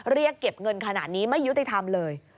เรียกเก็บเงินขนาดนี้ไม่ยุติธรรมเลย